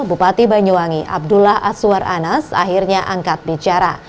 bupati banyuwangi abdullah aswar anas akhirnya angkat bicara